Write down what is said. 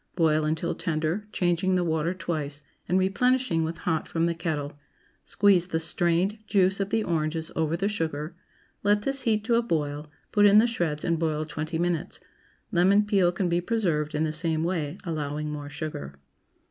Boil until tender, changing the water twice, and replenishing with hot from the kettle. Squeeze the strained juice of the oranges over the sugar; let this heat to a boil; put in the shreds and boil twenty minutes. Lemon peel can be preserved in the same way, allowing more sugar.